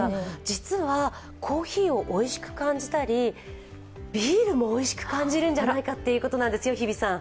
実はコーヒーをおいしく感じたり、ビールもおいしく感じるんじゃないかってことですよ、日比さん。